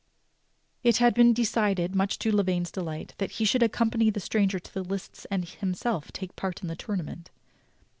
It had been decided, much to Lavaine's delight, that he should accompany the stranger to the lists and himself take part in the tournament.